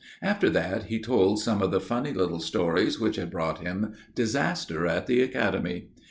After that he told some of the funny little stories which had brought him disaster at the academy.